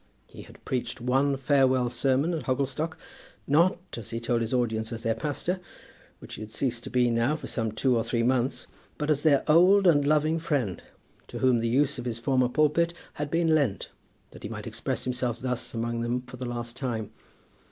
He had preached one farewell sermon at Hogglestock, not, as he told his audience, as their pastor, which he had ceased to be now for some two or three months, but as their old and loving friend, to whom the use of his former pulpit had been lent, that he might express himself thus among them for the last time.